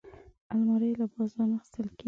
الماري له بازار نه اخیستل کېږي